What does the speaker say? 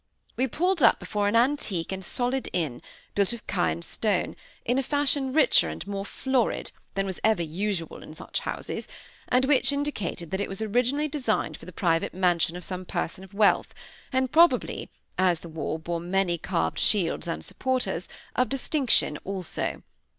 We pulled up before an antique and solid inn, built of Caen stone, in a fashion richer and more florid than was ever usual in such houses, and which indicated that it was originally designed for the private mansion of some person of wealth, and probably, as the wall bore many carved shields and supporters, of distinction also.